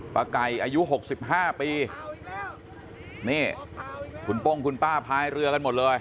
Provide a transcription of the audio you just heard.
ไก่อายุหกสิบห้าปีนี่คุณป้งคุณป้าพายเรือกันหมดเลย